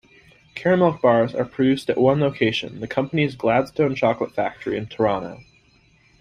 Caramilk bars are produced at one location, the company's Gladstone Chocolate Factory in Toronto.